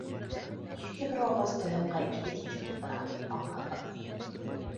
Иҫке бер ағас таяҡҡа иҫе китеп ултыра, аңһыҙың.